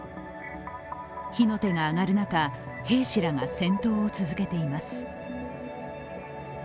火の手が上がる中兵士らが戦闘を続けています。